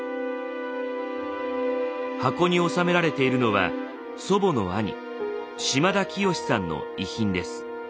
箱に収められているのは祖母の兄島田清守さんの遺品です。